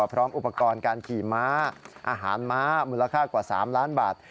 พร้อมอุปกรณ์การขี่ม้าอาหารม้ามูลค่ากว่า๓ล้านบาท